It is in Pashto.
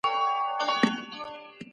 تاسو باید خپله دنده په سمه توګه ترسره کړئ.